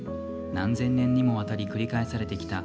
何千年にもわたり繰り返されてきた